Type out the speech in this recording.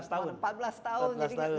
lima belas tahun empat belas tahun